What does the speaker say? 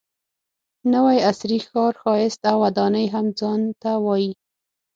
نوي عصري ښار ښایست او ودانۍ هم ځان ته وایي.